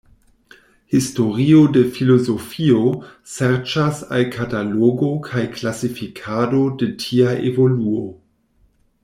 Historio de filozofio serĉas al katalogo kaj klasifikado de tia evoluo.